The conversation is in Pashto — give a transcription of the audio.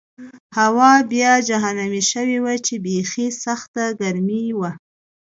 هوا بیا جهنمي شوې وه چې بېخي سخته ګرمي وه.